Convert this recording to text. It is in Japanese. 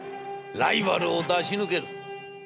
ライバルを出し抜ける』。